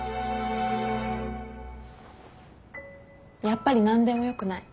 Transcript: やっぱり何でもよくない。